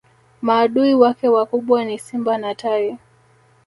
maadui wake wakubwa ni simba na tai